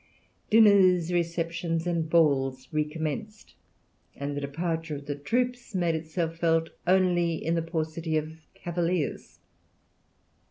Dinners, receptions, and balls recommenced, and the departure of the troops made itself felt only in the paucity of cavaliers.